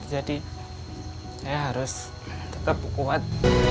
jadi saya harus tetap kuat